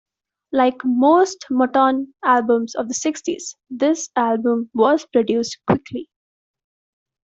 Like most Motown albums of the sixties, this album was produced quickly.